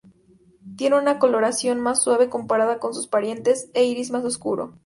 Tiene una coloración más suave comparada con sus parientes, e iris más oscuro.